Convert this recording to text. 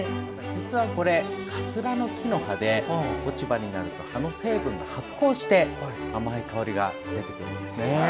実はこれ、カツラの木の葉で落ち葉になると葉の成分が発酵して甘い香りが出てくるんですね。